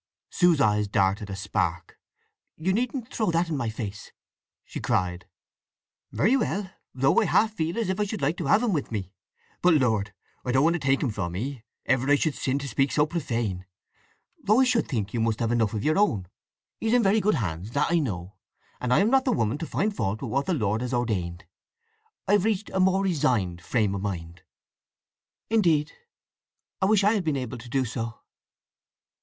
Sue's eyes darted a spark. "You needn't throw that in my face!" she cried. "Very well—though I half feel as if I should like to have him with me! … But Lord, I don't want to take him from 'ee—ever I should sin to speak so profane—though I should think you must have enough of your own! He's in very good hands, that I know; and I am not the woman to find fault with what the Lord has ordained. I've reached a more resigned frame of mind." "Indeed! I wish I had been able to do so."